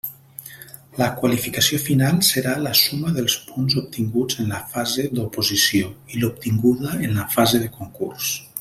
La qualificació final serà la suma dels punts obtinguts en la fase d'oposició i l'obtinguda en la fase de concurs.